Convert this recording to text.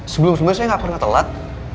sebelum sebenarnya saya nggak pernah telat